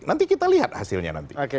nanti kita lihat hasilnya nanti